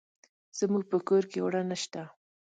زموږ په کور کې اوړه نشته.